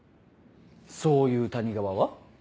そういう谷川は？